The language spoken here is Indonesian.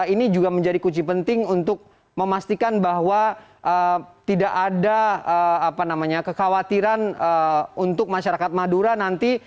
ini juga menjadi kunci penting untuk memastikan bahwa tidak ada kekhawatiran untuk masyarakat madura nanti